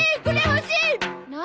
何？